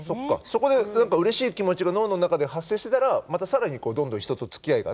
そこで何かうれしい気持ちが脳の中で発生してたらまた更にどんどん人とつきあいがね。